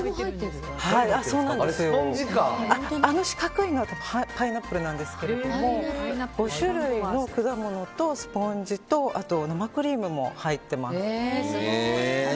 あの四角いのはパイナップルなんですけど５種類の果物とスポンジと生クリームも入ってます。